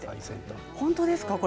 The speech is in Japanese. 本当ですか。